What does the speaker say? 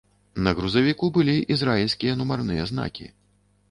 На грузавіку былі ізраільскія нумарныя знакі.